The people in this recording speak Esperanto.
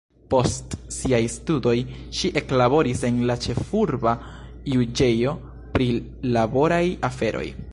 Post siaj studoj ŝi eklaboris en la ĉefurba juĝejo pri laboraj aferoj.